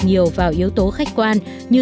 nhiều vào yếu tố khách quan như